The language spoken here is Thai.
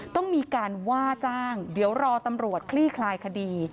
ต้องมีการว่าจ้างเดี๋ยวรอตำรวจคลี่คลายคดี